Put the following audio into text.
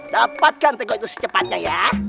dapatkan tegok itu secepatnya ya